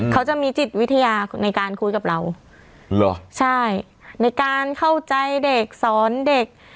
เขาจะมีจิตวิทยาในการคุยกับเราเหรอใช่ในการเข้าใจเด็กสอนเด็ก